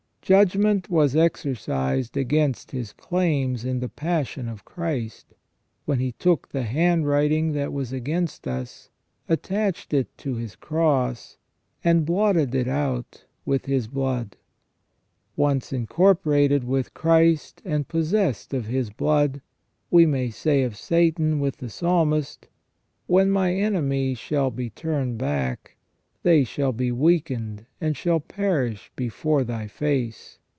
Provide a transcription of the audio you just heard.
Judgment was exercised against his claims in the passion of Christ, when He took the handwriting that was against us, attached it to His Cross, and blotted it out with His blood. Once incorporated with Christ and possessed of His 20 3o6 THE FALL OF MAN blood, we may say of Satan, with the Psalmist :" When my enemy shall be turned back, they shall be weakened and shall perish before Thy face.